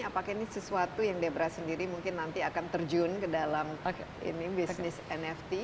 apakah ini sesuatu yang debra sendiri mungkin nanti akan terjun ke dalam bisnis nft